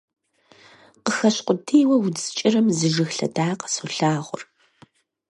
Къыхэщ къудейуэ удз кӀырым, Зы жыг лъэдакъэ солъагъур.